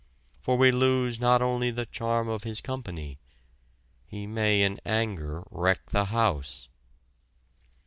For we lose not only the charm of his company: he may in anger wreck the house.